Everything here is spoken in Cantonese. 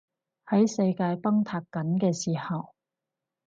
喺世界崩塌緊嘅時候